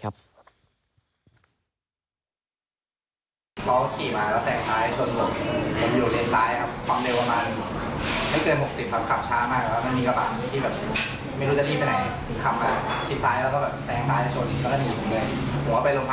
เกิดเหตุสักประมาณ๒ทุ่มได้